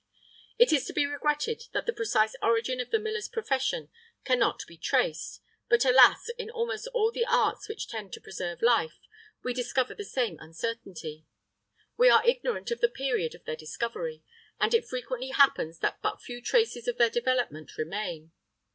[III 38] It is to be regretted that the precise origin of the miller's profession cannot be traced; but, alas! in almost all the arts which tend to preserve life, we discover the same uncertainty: we are ignorant of the period of their discovery, and it frequently happens that but few traces of their development remain.